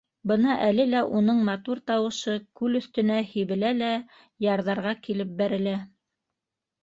Бына әле лә уның матур тауышы күл өҫтөнә һибелә лә ярҙарға килеп бәрелә.